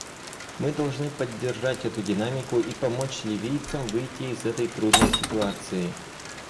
Мы должны поддержать эту динамику и помочь ливийцам выйти из этой трудной ситуации.